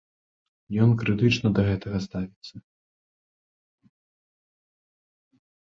Ён крытычна да гэтага ставіцца.